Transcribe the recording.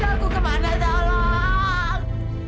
harta aku kemana daulat